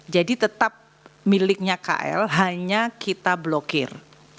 jadi tetap miliknya kl hanya kita blokir